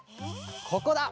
ここだ！